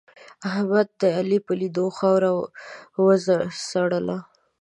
احمد د علي په لیدو خاوره وخرله.